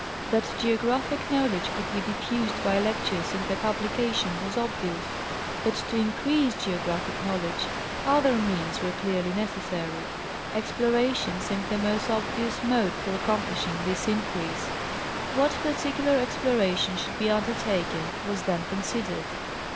That geographic knowledge could be diffused by lectures and by publications was obvious. But to 7nrerease geographic knowledge other means were clearly necessary. Exploration seemed the most obvious mode for accomplishing this increase. What par ticular exploration should be undertaken was then considered.